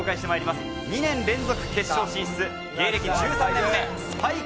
２年連続決勝進出、芸歴１３年目、スパイク。